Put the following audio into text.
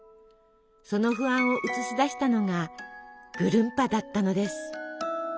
その不安を映し出したのがぐるんぱだったのです。